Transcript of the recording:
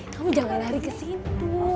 kamu jangan lari kesitu